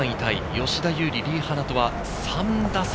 吉田優利、リ・ハナとは３打差。